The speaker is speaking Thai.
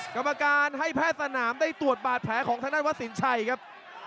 กรรมการให้แพทย์สนามได้ตรวจบาดแผลของทางด้านวัดสินชัยครับ